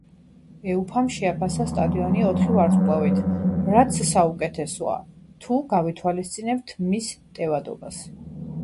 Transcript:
უეფამ შეაფასა სტადიონი ოთხი ვარსკვლავით, რაც საუკეთესოა, თუ გავითვალისწინებთ მის ტევადობას.